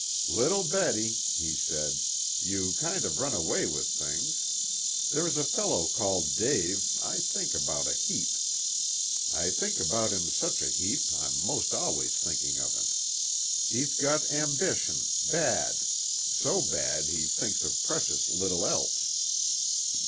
"Little Betty," he said, "you kind of run away with things. There's a fellow called 'Dave' I think about a heap. I think about him such a heap I'm most always thinking of him. He's got ambition bad so bad he thinks of precious little else.